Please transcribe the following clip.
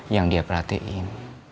yang dia perhatiin